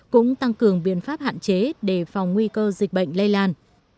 cũng tăng cường biện pháp hạn chế để phòng nguy cơ dịch bệnh lây lan